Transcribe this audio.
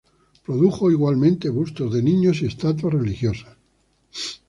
Produjo igualmente bustos de niños y estatuas religiosas.